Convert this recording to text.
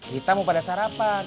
kita mau pada sarapan